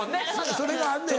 それがあんねん。